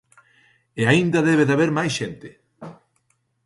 E aínda debe de haber máis xente.